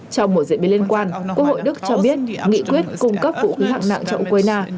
trong một diễn biến liên quan quốc hội đức cho biết nghị quyết cung cấp vũ khí hạng nặng cho ukraine